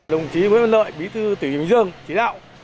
đồng chí nguyễn văn lợi bí thư tỉnh bình dương chỉ đạo